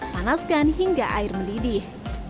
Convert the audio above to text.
panaskan hingga air mendidih